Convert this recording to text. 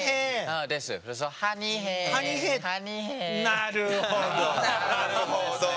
なるほど。